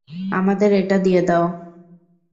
আমাদের এটা দিয়ে দাও।